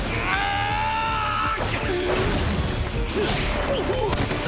あっ。